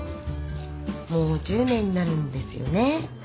もう１０年になるんですよね。